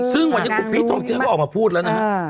ซึ่งวันนี้คุณพีชทองเจือก็ออกมาพูดแล้วนะฮะ